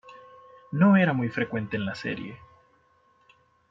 No era muy frecuente en la serie.